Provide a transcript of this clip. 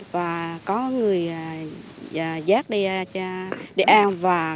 và có người giác để em